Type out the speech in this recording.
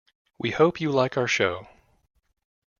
We hope you like our show.